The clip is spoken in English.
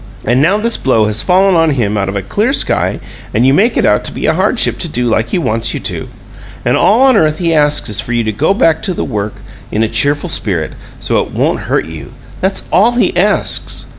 And now this blow has fallen on him out of a clear sky, and you make it out to be a hardship to do like he wants you to! And all on earth he asks is for you to go back to the work in a cheerful spirit, so it won't hurt you! That's all he asks.